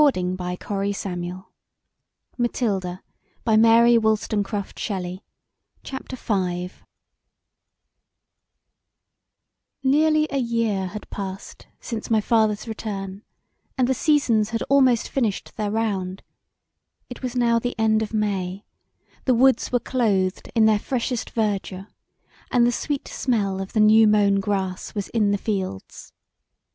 [C] Fletcher's comedy of the Captain. [D] Lord Byron CHAPTER V Nearly a year had past since my father's return, and the seasons had almost finished their round It was now the end of May; the woods were clothed in their freshest verdure, and the sweet smell of the new mown grass was in the fields.